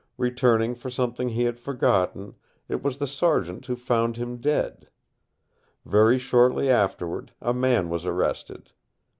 Returning for something he had forgotten, it was the sergeant who found him dead. Very shortly afterward a man was arrested.